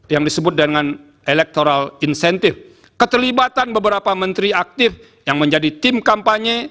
yang disebut dengan electoral insentif keterlibatan beberapa menteri aktif yang menjadi tim kampanye